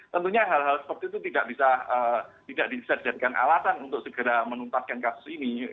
tentunya hal hal seperti itu tidak bisa dijadikan alasan untuk segera menuntaskan kasus ini